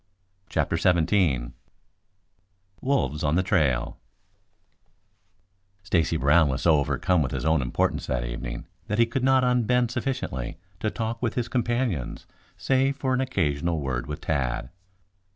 CHAPTER XVII WOLVES ON THE TRAIL Stacy Brown was so overcome with his own importance that evening that he could not unbend sufficiently to talk with his companions, save for an occasional word with Tad.